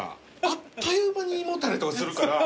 あっという間に胃もたれとかするから。